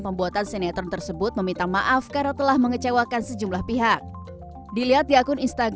pembuatan sinetron tersebut meminta maaf karena telah mengecewakan sejumlah pihak dilihat di akun instagram